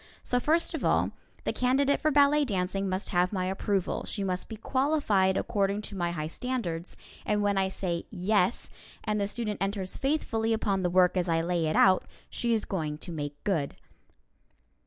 So first of all, the candidate for ballet dancing must have my approval, she must be qualified according to my high standards, and when I say "Yes," and the student enters faithfully upon the work as I lay it out, she is going to make good.